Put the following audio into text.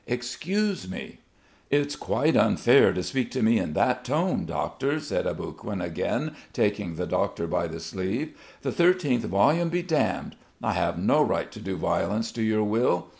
Excuse me." "It's quite unfair to speak to me in that tone, Doctor," said Aboguin, again taking the doctor by the sleeve. "The thirteenth volume be damned! I have no right to do violence to your will.